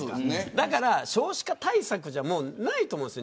だから少子化対策じゃないと思うんです。